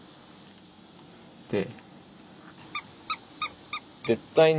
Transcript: で。